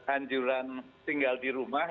anjuran tinggal di rumah